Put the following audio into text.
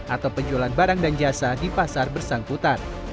atau penjualan barang dan jasa di pasar bersangkutan